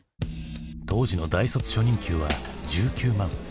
当時の大卒初任給は１９万。